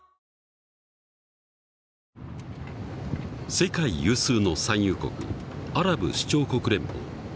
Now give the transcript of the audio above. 世界有数の産油国アラブ首長国連邦。